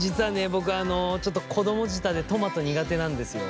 僕ちょっと子供舌でトマト苦手なんですよ。